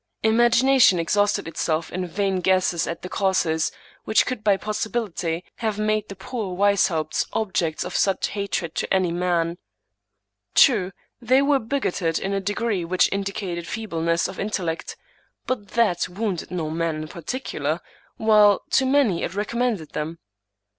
Imagination exhausted itself in vain guesses at the causes which could by possibility have made the poor Weishaupts objects of such hatred to any man. True, they were bigoted in a degree which indicated feebleness of intellect; but that wounded no man in par ticular, while to many it recommended them.